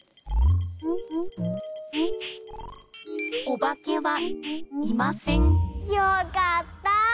おばけはいませんよかったあ！